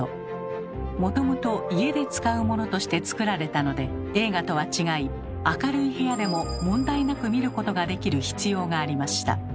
もともと家で使うものとして作られたので映画とは違い明るい部屋でも問題なく見ることができる必要がありました。